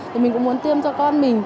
thì mình cũng muốn tiêm cho con mình